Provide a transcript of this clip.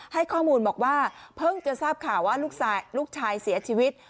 ให้ข้อมูลบอกว่าเพิ่งจะทราบข่าวว่าลูกชายเสียชีวิต